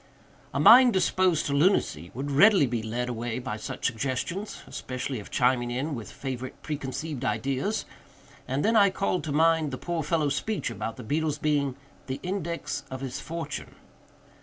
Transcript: A mind disposed to lunacy would readily be led away by such suggestions—especially if chiming in with favorite preconceived ideas—and then I called to mind the poor fellow's speech about the beetle's being "the index of his fortune."